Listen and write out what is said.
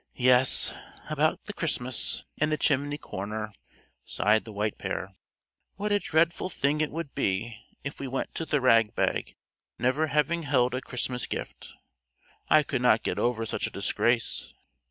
"Yes; about the Christmas, and the chimney corner," sighed the White Pair. "What a dreadful thing it would be if we went to the rag bag never having held a Christmas gift. I could not get over such a disgrace.